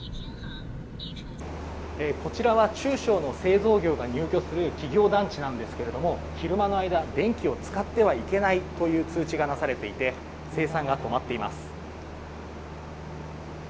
こちらは中小の製造業が入居する企業団地なんですけども昼間の間、電気を使ってはいけないという通知がなされていて生産が止まっています。